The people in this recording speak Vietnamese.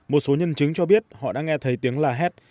một số nhân chứng cho biết họ đã nghe thấy tiếng là hét